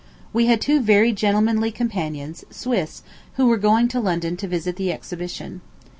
We had two very gentlemanly companions, Swiss, who were going to London to visit the exhibition.